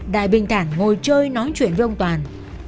đại bình thản ngồi chơi nói chuyện với ông toàn